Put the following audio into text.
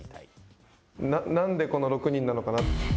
なんでこの６人なのかな。